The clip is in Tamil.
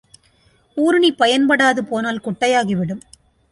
ஊருணி பயன்படாது போனால் குட்டையாகிவிடும்.